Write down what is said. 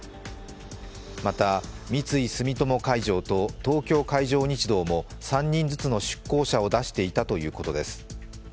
また、三井住友海上と東京海上日動も３人ずつの出向者を出していたということです。